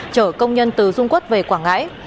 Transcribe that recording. trở công nhân từ dung quốc về quảng ngãi